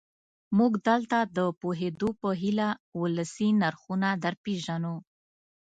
موږ دلته د پوهېدو په هیله ولسي نرخونه درپېژنو.